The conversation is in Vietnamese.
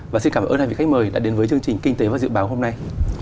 và xin cảm ơn hai vị khách mời đã đến với chương trình kinh tế và dự báo hôm nay